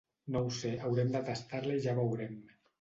No ho sé; haurem de tastar-la i ja veurem.